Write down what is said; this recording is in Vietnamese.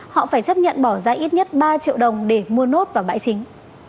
họ phải chấp nhận bỏ ra ít nhất ba triệu đồng để mua nốt vào bãi chính